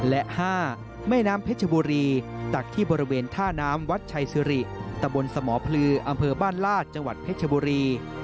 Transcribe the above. และ๕แม่น้ำเพชรบุรีตักที่บริเวณท่าน้ำวัดชัยสิริตะบนสมพลืออำเภอบ้านลาดจังหวัดเพชรบุรี